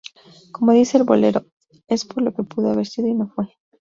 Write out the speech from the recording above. Como dice el bolero, es lo que pudo haber sido y no fue.